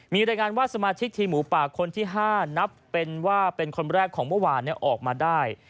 มีรายงานว่าสมาชิกทีมหมูป่าคนที่๕นับเป็นว่าเป็นคนแรกของเมื่อวานออกมาได้